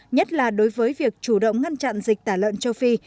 nhất là đối với việc chủ động ngăn chặn dịch tả lợn châu phi